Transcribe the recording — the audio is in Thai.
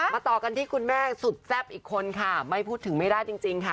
ต่อกันที่คุณแม่สุดแซ่บอีกคนค่ะไม่พูดถึงไม่ได้จริงค่ะ